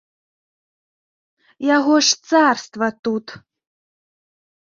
Яго ж царства тут!